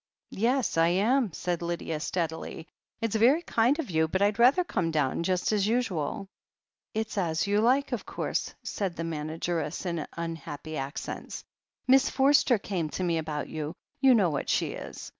"Yes, I am," said Lydia steadily. "It's very kind of you, but Fd rather come down just as usual." "It's as you like, of course," said the manageress in tmhappy accents. "Miss Forster came to me about you — ^you know what she is.